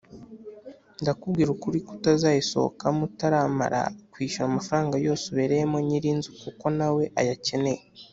Ndakubwira ukuri ko utazayisohokamo utaramara kwishyura amafaranga yose ubereyemo nyiri inzu kuko nawe ayakeneye